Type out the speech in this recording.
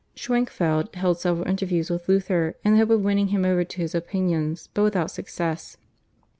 Schwenkfeld held several interviews with Luther in the hope of winning him over to his opinions but without success.